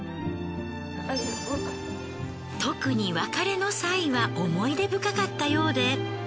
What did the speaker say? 特に別れの際は思い出深かったようで。